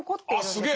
あすげえ！